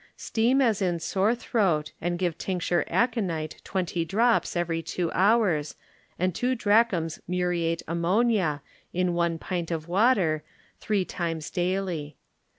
Steam as in lorei tbroat and give tincture aconite twenty drops every two honrs and two drachms muriate ammonia in one pint of water three times daily.